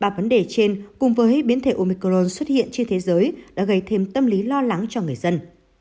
ba vấn đề trên cùng với biến thể omicron xuất hiện trên thế giới đã gây thêm tâm lý lo lắng cho người dân